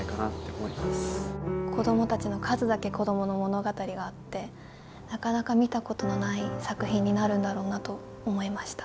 子供たちの数だけ子供の物語があってなかなか見たことのない作品になるんだろうなと思いました。